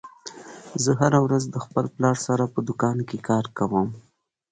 زه هره ورځ د خپل پلار سره په دوکان کې کار کوم